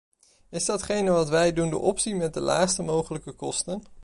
Is datgene wat wij doen de optie met de laagst mogelijke kosten?